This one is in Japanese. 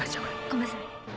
ごめんなさい。